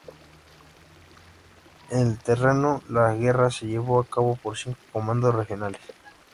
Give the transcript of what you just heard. En el terreno la guerra se llevó a cabo por cinco comandos regionales.